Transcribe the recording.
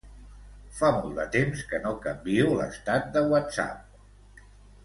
Fa molt de temps que no canvio l'estat de Whatsapp.